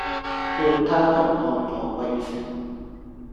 換她給外婆餵食